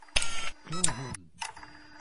Klañv on.